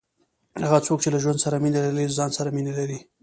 هغه څوک، چي له ژوند سره مینه لري، له ځان سره مینه لري.